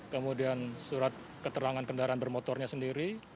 kemudian surat keterangan kendaraan bermotornya sendiri